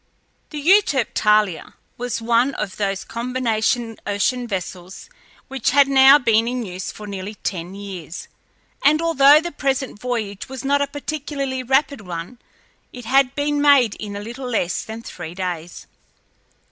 The Euterpe Thalia was one of those combination ocean vessels which had now been in use for nearly ten years, and although the present voyage was not a particularly rapid one, it had been made in a little less than three days.